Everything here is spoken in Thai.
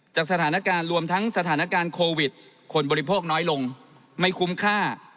สถานการณ์รวมทั้งสถานการณ์โควิดคนบริโภคน้อยลงไม่คุ้มค่า